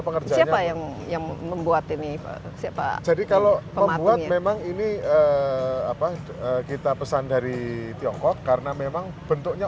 pekerja yang membuat ini jadi kalau memang ini apa kita pesan dari tiongkok karena memang bentuknya